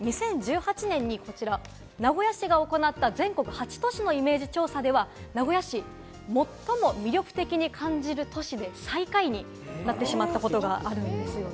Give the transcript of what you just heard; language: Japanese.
２０１８年に名古屋市が行った全国８都市のイメージ調査では、名古屋市、最も魅力的に感じる都市で最下位になってしまったことがあるんです。